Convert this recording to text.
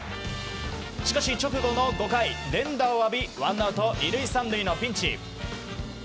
しかし、直後の５回連打を浴びワンアウト２塁３塁のピンチ。